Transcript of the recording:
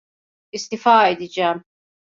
İstifa edeceğim.